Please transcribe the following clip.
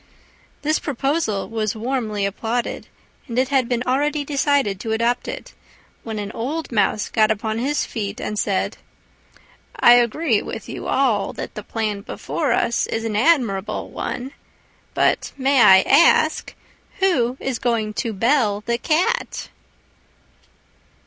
This proposal was warmly applauded, and it had been already decided to adopt it, when an old Mouse got upon his feet and said, "I agree with you all that the plan before us is an admirable one: but may I ask who is going to bell the cat?"